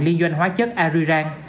liên doanh hóa chất arirang